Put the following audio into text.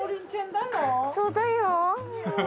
そうだよ。